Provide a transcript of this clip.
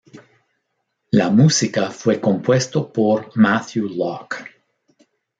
La música fue compuesta por Matthew Locke.